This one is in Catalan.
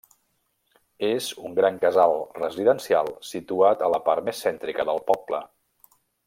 És un gran casal residencial situat a la part més cèntrica del poble.